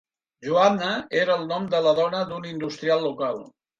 Joanna era el nom de la dona d'un industrial local.